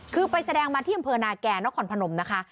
คือไปแสดงมาที่อำเภอนาแก่นครพนมนะคะ